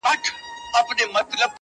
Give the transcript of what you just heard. درد کور ټول اغېزمن کوي تل,